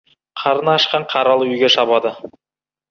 Қарны ашқан қаралы үйге шабады.